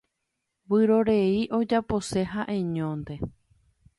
Vyrorei ojapose ha'eñónte.